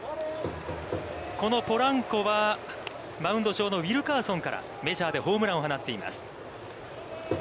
このポランコはマウンド上のウィルカーソンからメジャーでホームランを放っています。